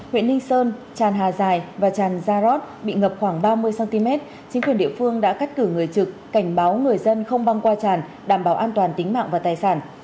huyện ninh sơn hà giải và tràn gia bị ngập khoảng ba mươi cm chính quyền địa phương đã cắt cử người trực cảnh báo người dân không băng qua tràn đảm bảo an toàn tính mạng và tài sản